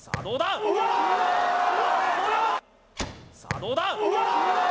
さあどうだ！